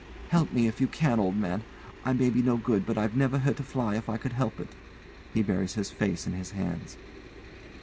Help me if you can, old man. I may be no good, but I've never hurt a fly if I could help it. [He buries his face in his hands.